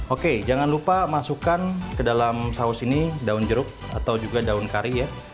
oke jangan lupa masukkan ke dalam saus ini daun jeruk atau juga daun kari ya